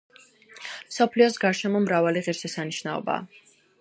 მსოფლიოს გარშემო მრავალი ღირშესანიშნაობაა